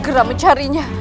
jangan menga staring